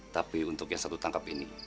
tapi untuk yang satu tangkap ini